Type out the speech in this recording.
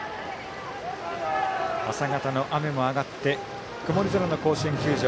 朝方の雨も上がって曇り空の甲子園球場。